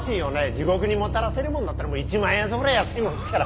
地獄にもたらせるもんだったら１万円やそこら安いもんですから。